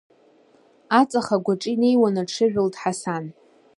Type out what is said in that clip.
Аҵых агәаҿы инеиуаны дҽыжәлт Ҳасан.